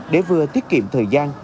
để vừa thiết kiệm thời gian